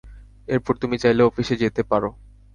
এরপর তুমি চাইলে অফিসে যেতে পারো।